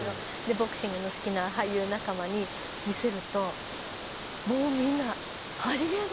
ボクシングの好きな俳優仲間に見せるともうみんな「ありえない！」って言って。